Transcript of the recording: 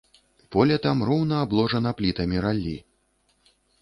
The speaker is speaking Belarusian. Поле там роўна абложана плітамі раллі.